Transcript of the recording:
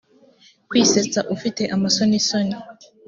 kwisetsa ufite amasonisoni